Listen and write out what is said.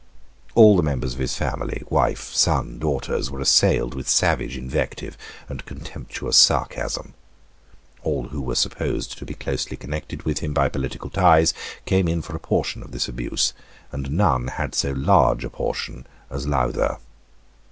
All the members of his family, wife, son, daughters, were assailed with savage invective and contemptuous sarcasm, All who were supposed to be closely connected with him by political ties came in for a portion of this abuse; and none had so large a portion as Lowther.